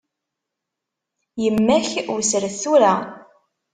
Yemma-k wessret tura.